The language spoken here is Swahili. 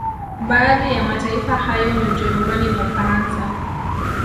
Baadhi ya mataifa hayo ni Ujerumani na Ufaransa